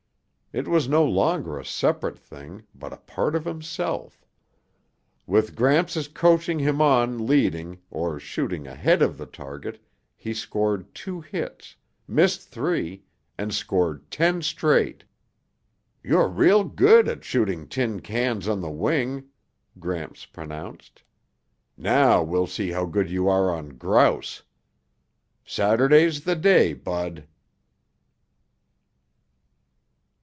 It was no longer a separate thing but a part of himself. With Gramps' coaching him on leading, or shooting ahead of the target, he scored two hits, missed three and scored ten straight. "You're real good at shooting tin cans on the wing," Gramps pronounced. "Now we'll see how good you are on grouse. Saturday's the day, Bud."